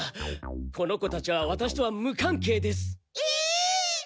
この子たちはワタシとは無関係です。ええ！？